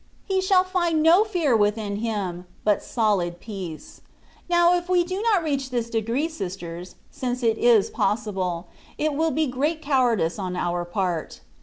He shall find no fear within him, but solid peace. Now if we do not reach this degree, sisters (since it is possible), it will be great cowardice on our part.